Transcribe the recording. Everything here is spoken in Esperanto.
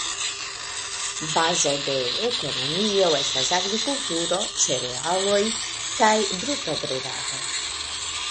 Bazo de ekonomio estas agrikulturo (cerealoj) kaj brutobredado.